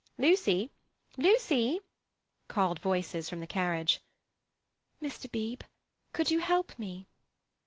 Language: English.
"Lucy! Lucy!" called voices from the carriage. "Mr. Beebe, could you help me?"